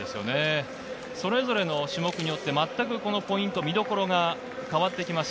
それぞれの種目によってまったく見どころが変わってきます。